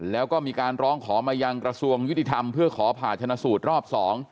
แล้วก็มีการร้องขอมายังกระทรวงยุติธรรมเพื่อขอผ่าชนะสูตรรอบ๒